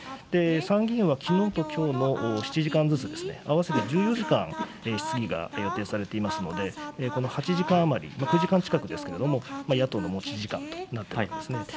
参議院は、きのうときょうの７時間ずつですね、合わせて１４時間、質疑が予定されていますので、この８時間余り、９時間近くですけれども、野党の持ち時間となってるんですね。